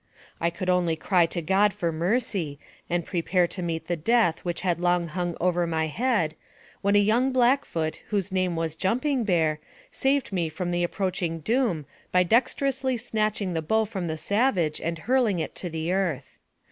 I could only cry to God for mercy, and prepare to meet the death which had long hung over my head, when a young Blackfoot, whose name was Jumping Bear, saved me from the approaching doom by dexter ously snatching the bow from the savage and hurling it to the earth.